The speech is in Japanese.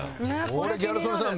これギャル曽根さん